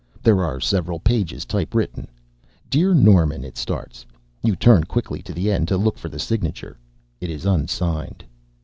There are several pages, typewritten. Dear Norman, it starts. You turn quickly to the end to look for the signature. It is unsigned.